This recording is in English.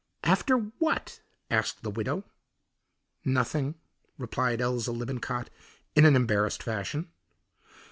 "After what?" asked the widow. "Nothing," replied Eliza Lippincott in an embarrassed fashion.